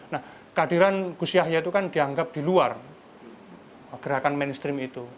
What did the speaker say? nah kehadiran gus yahya itu kan dianggap di luar gerakan mainstream itu